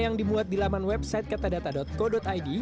yang dimuat di laman website katadata co id